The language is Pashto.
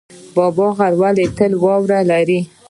بابا غر ولې تل واوره لري؟